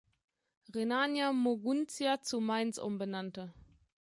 Rhenania-Moguntia zu Mainz umbenannte.